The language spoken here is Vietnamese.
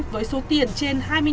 với số tiền trên hai mươi năm tỷ đồng